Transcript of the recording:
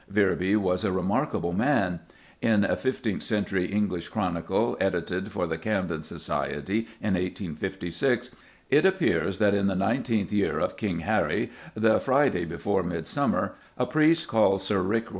Virby was a remarkable man. In a fifteenth century English Chronicle, edited for the Camden Society in 1856, it appears that "in the XIX y^{r}. of King Harry, the Friday before midsummer, a Priest called Sir Ric.